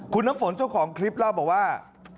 คุณน้ำฝนเจ้าของคลิปเล่าบอกว่า